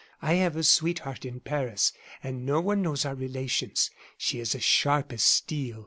I have a sweetheart in Paris and no one knows our relations. She is as sharp as steel.